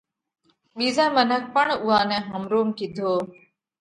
ٻيزئہ منک پڻ اُوئا نئہ همروم ڪِيڌو۔